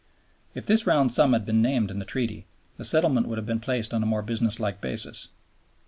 If this round sum had been named in the Treaty, the settlement would have been placed on a more business like basis.